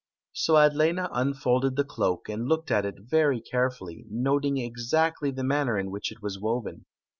So Adlena unfolded the cloak and looked at it very carefully, noting exactly the manner in which it waft woven.